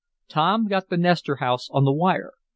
Tom got the Nestor house on the wire.